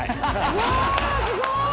うわすごーい！